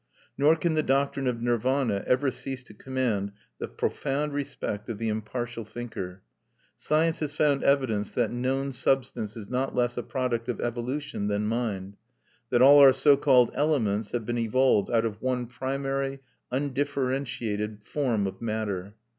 Nor can the doctrine of Nirvana ever cease to command the profound respect of the impartial thinker. Science has found evidence that known substance is not less a product of evolution than mind, that all our so called "elements" have been evolved out of "one primary undifferentiated form of matter."